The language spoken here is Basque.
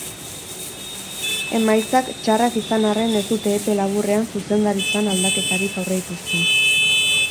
Emaitzak txarrak izan arren ez dute epe laburrean zuzendaritzan aldaketarik aurreikusten.